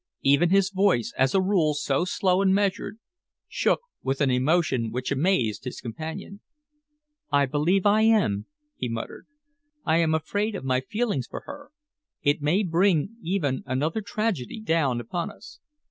Even his voice, as a rule so slow and measured, shook with an emotion which amazed his companion. "I believe I am," he muttered. "I am afraid of my feelings for her. It may bring even another tragedy down upon us."